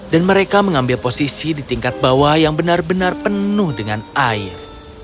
dan mereka mengambil posisi di tingkat bawah yang benar benar penuh dengan air